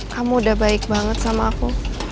kamu udah baik banget sama aku